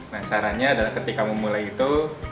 nah caranya adalah ketika memulai itu